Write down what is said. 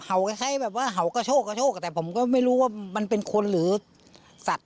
เห่าก็ใช่แบบว่าเห่าก็โชคก็โชคแต่ผมก็ไม่รู้ว่ามันเป็นคนหรือสัตว์